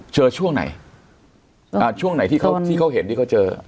เจอช่วงไหนช่วงไหนที่เขาเห็นที่เขาเจอ